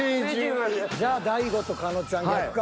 じゃあ大悟と狩野ちゃん逆か。